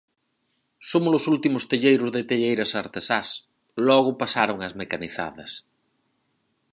Somos os últimos telleiros de telleiras artesás, logo pasaron ás mecanizadas.